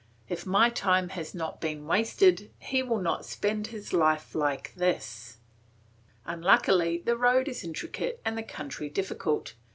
If my time has not been wasted he will not spend his life like this. Unluckily the road is intricate and the country difficult.